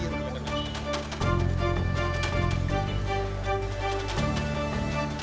di peng pusat kejayaan